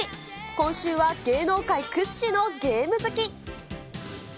今週は芸能界屈指のゲーム好き。